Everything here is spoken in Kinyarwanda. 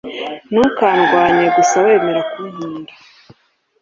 Ntukarwanye Gusa wemere kunkunda